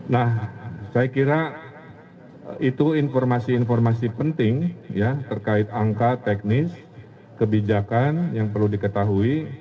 nah saya kira itu informasi informasi penting ya terkait angka teknis kebijakan yang perlu diketahui